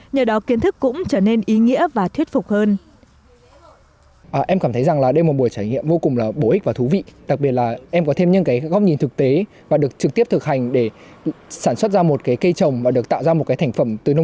nhờ đó kiến thức cũng trở nên ý nghĩa và thuyết phục hơn